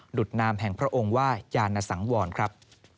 ุดนามแห่งพระองค์ว่าจานสังวรครับ